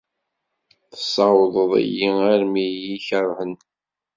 Tessawḍeḍ-iyi armi i iyi-kerhen.